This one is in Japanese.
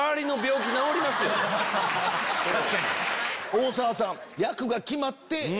大沢さん。